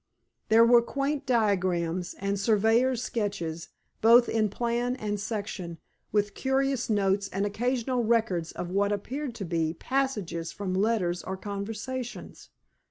There were quaint diagrams, and surveyor's sketches, both in plan and section, with curious notes, and occasional records of what appeared to be passages from letters or conversations.